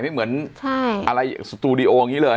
ไม่เหมือนอะไรสตูดิโออย่างนี้เลย